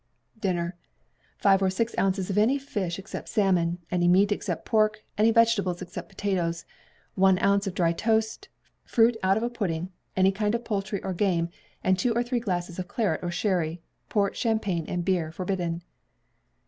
Dinner. Five or six ounces of any fish except salmon, any meat except pork, any vegetables except potatoes; one ounce of dry toast; fruit out of a pudding; any kind of poultry or game, and two or three glasses of claret or sherry. Port, champagne, and beer forbidden.